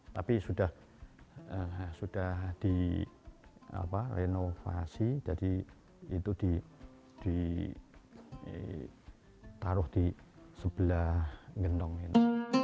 tapi sudah direnovasi jadi itu ditaruh di sebelah gendong ini